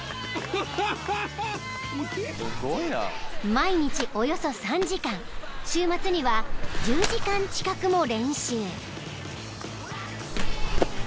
［毎日およそ３時間］［週末には１０時間近くも練習］